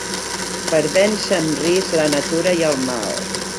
Per vèncer amb risc la Natura i el Mal.